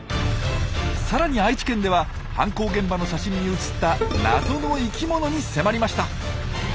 さらに愛知県では犯行現場の写真に映った「謎の生きもの」に迫りました。